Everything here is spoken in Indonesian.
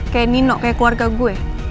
kayak nino kayak keluarga gue